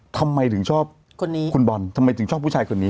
ทำไมถึงชอบคนนี้คุณบอลทำไมถึงชอบผู้ชายคนนี้